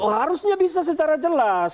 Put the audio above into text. harusnya bisa secara jelas